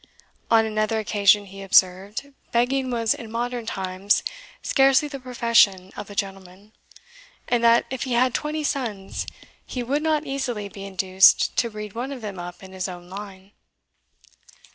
On another occasion he observed, begging was in modern times scarcely the profession of a gentleman; and that, if he had twenty sons, he would not easily be induced to breed one of them up in his own line.